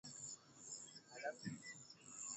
uchumi na mazingira kunamaanisha kwamba kupunguza